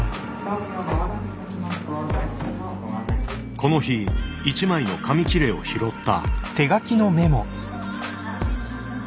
この日一枚の紙切れを拾った。